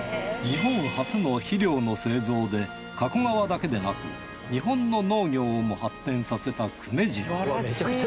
日本初の肥料の製造で加古川だけでなく日本の農業をも発展させた久米次郎。